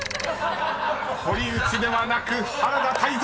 ［堀内ではなく原田泰造］